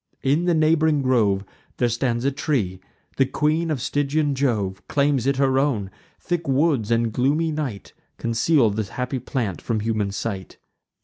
In the neighb'ring grove There stands a tree; the queen of Stygian Jove Claims it her own; thick woods and gloomy night Conceal the happy plant from human sight.